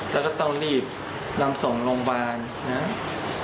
แล้วก็ต้องรีบนำส่งโรงพยาบาลนะครับ